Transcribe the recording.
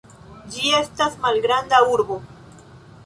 Ĝi estas malgranda urbo.